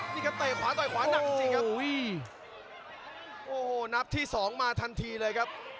นี่ครับเตะขวาต่อยขวาหนักจริงครับโอ้โหนับที่สองมาทันทีเลยครับ